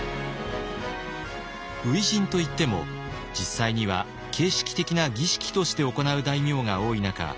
初陣といっても実際には形式的な儀式として行う大名が多い中